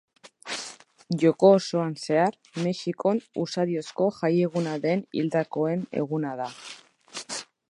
Joko osoan zehar Mexikon usadiozko jaieguna den Hildakoen Eguna da.